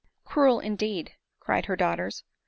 " Cruel, indeed !" cried her daughters.